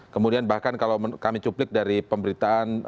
kemudian bahkan kalau kami cuplik dari pemberitaan